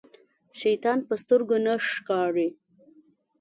شيطان په سترګو نه ښکاري.